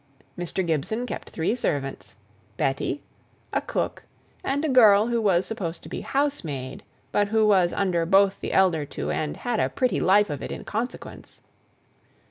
Mr. Gibson kept three servants; Betty, a cook, and a girl who was supposed to be housemaid, but who was under both the elder two, and had a pretty life of it in consequence.